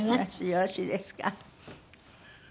よろしいですか？